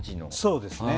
そうですね。